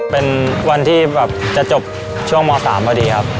เป็นวันที่แบบจะจบช่วงม๓พอดีครับ